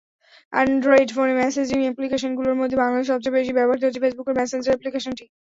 Android ফোনে messaging অ্যাপ্লিকেশনগুলোর মধ্যে বাংলাদেশে সবচেয়ে বেশি ব্যবহৃত হচ্ছে ফেসবুকের মেসেঞ্জার অ্যাপ্লিকেশনটি।